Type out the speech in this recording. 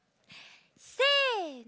せの！